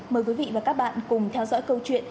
mời quý vị và các bạn cùng theo dõi câu chuyện